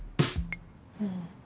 うん。